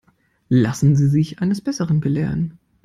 Lassen Sie sich eines Besseren belehren.